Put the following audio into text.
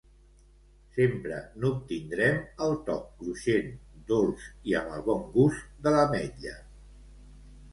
Sempre n'obtindrem el toc cruixent, dolç i amb el bon gust de l'ametlla.